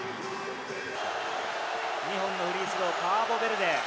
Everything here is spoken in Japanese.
２本のフリースロー、カーボベルデ。